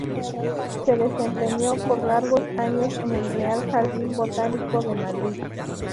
Se desempeñó por largos años en el Real Jardín Botánico de Madrid.